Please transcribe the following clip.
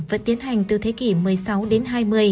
vẫn tiến hành từ thế kỷ một mươi sáu đến hai mươi